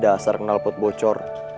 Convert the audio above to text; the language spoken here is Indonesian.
dasar kenal pot bocor